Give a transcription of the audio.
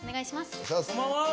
こんばんは。